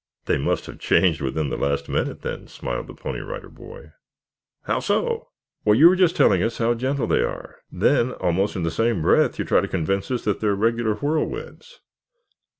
"They must have changed within the last minute, then," smiled the Pony Rider Boy. "How so?" "Why, you were just telling us how gentle they are, then almost in the same breath you try to convince us that they are regular whirlwinds.